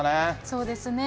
そうですね。